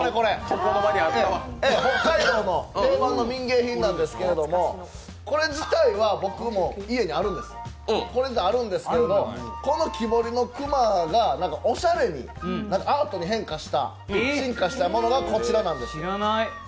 北海道の定番の民芸品なんですけど、これ自体は僕も家にあるんですけど、この木彫りの熊がおしゃれにアートに変化した進化したものがこちらなんです。